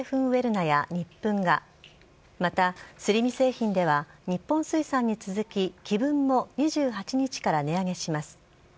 ウェルナやニップンが、またすり身製品では日本水産に続き紀文も２８日から値上げします。